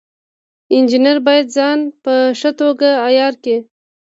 انجینر باید ځان په ښه توګه عیار کړي.